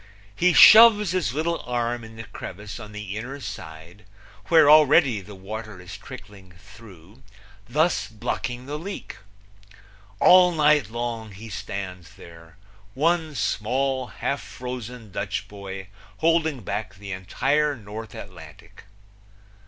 He shoves his little arm in the crevice on the inner side, where already the water is trickling through, thus blocking the leak. All night long he stands there, one small, half frozen Dutch boy holding back the entire North Atlantic.